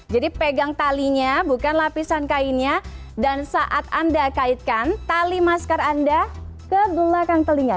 jadi pegang talinya bukan lapisan kainnya dan saat anda kaitkan tali masker anda ke belakang telinga